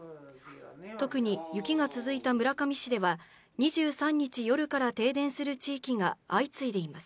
特に雪が続いた村上市では、２３日夜から停電する地域が相次いでいます。